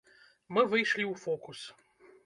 Мы выйшлі ў фокус.